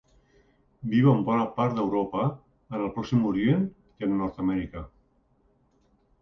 Viu en bona part d'Europa, en el Pròxim Orient i en Nord-amèrica.